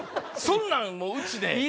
そんなんうちで。